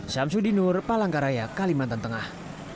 syamsuddinur palangkaraya kalimantan tengah